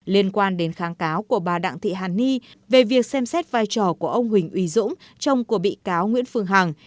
liên quan đến kháng cáo của bà đặng thị hàn ni về việc xem xét vai trò của ông huỳnh uy dũng chồng của bị cáo nguyễn phương hằng